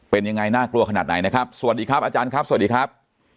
เป็นยังไงน่ากลัวขนาดไหนนะครับสวัสดีครับอาจารย์ครับสวัสดีครับ